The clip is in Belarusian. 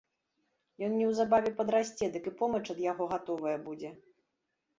Ён неўзабаве падрасце, дык і помач ад яго гатовая будзе.